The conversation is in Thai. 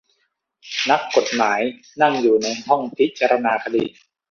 นักกฏหมายนั่งอยู่ในห้องพิจารณาคดี